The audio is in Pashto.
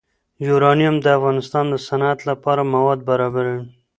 یورانیم د افغانستان د صنعت لپاره مواد برابروي.